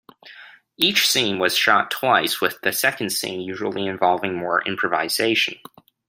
Each scene was shot twice with the second scene usually involving more improvisation.